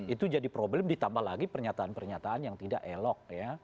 itu jadi problem ditambah lagi pernyataan pernyataan yang tidak elok ya